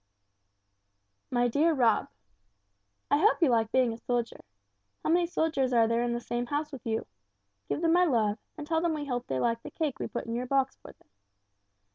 "MY DEAR ROB: "I hope you like being a soldier. How many soldiers are there in the same house with you? Give them my love and tell them we hope they liked the cake we put in your box for them.